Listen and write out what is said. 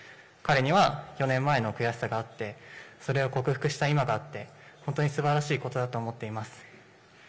彼には４年前の悔しさがあって、それを克服した今があって本当にすばらしいことだと思っています。